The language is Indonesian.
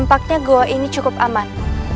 sepertinya gua ini cukup aman